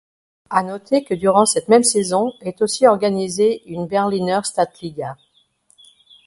À noter que durant cette même saison est aussi organisée une Berliner Stadtliga.